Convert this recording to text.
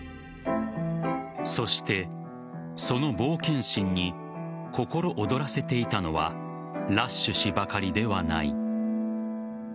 そしてその冒険心に心躍らせていたのはラッシュ氏ばかりではない。